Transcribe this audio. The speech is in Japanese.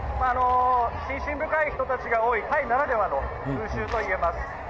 信心深い人たちがいるタイならではの風習といえます。